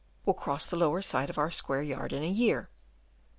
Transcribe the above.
will cross the lower side of our square yard in a year.